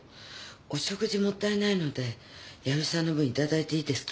お食事もったいないので弥生さんの分いただいていいですか？